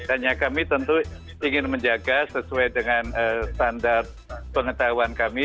hanya kami tentu ingin menjaga sesuai dengan standar pengetahuan kami